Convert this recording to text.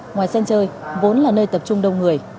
ngoài sân chơi vốn là nơi tập trung đông người